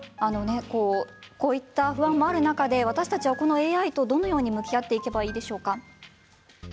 こういった不安もある中で私たちはＡＩと、どのように向き合っていけばいいですか。